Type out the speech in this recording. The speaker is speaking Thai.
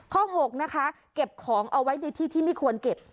๖นะคะเก็บของเอาไว้ในที่ที่ไม่ควรเก็บ